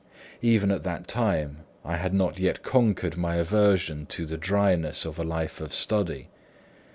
Even at that time, I had not conquered my aversions to the dryness of a life of study.